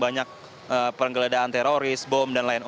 banyak penggeledahan teroris bom dan lain lain